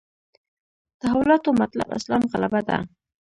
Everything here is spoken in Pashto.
تحولاتو مطلب اسلام غلبه ده.